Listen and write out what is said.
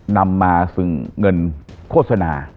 นำมาซึ่งเงินโฆษณา